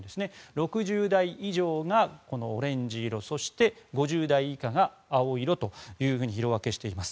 ６０代以上がオレンジ色そして、５０代以下が青色と色分けしています。